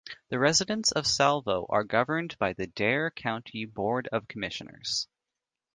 The residents of Salvo are governed by the Dare County Board of Commissioners.